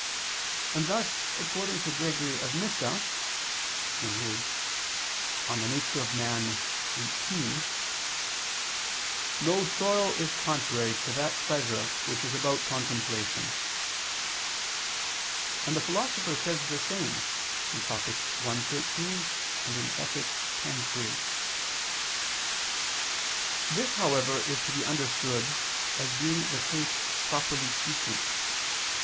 And thus, according to Gregory of Nyssa [*Nemesius, De Nat. Hom. xviii.], "no sorrow is contrary to that pleasure which is about contemplation": and the Philosopher says the same (Topic. i, 13; Ethic. x, 3). This, however, is to be understood as being the case properly speaking.